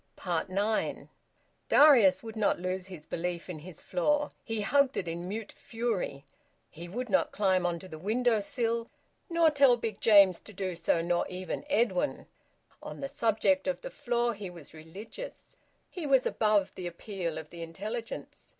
NINE. Darius would not loose his belief in his floor. He hugged it in mute fury. He would not climb on to the window sill, nor tell Big James to do so, nor even Edwin. On the subject of the floor he was religious; he was above the appeal of the intelligence.